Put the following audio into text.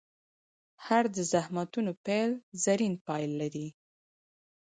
هر د زخمتونو پیل؛ زرین پای لري.